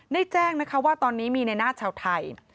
แจ้งนะคะว่าตอนนี้มีในหน้าชาวไทย